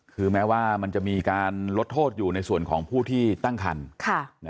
คือแม้ว่ามันจะมีการลดโทษอยู่ในส่วนของผู้ที่ตั้งคัน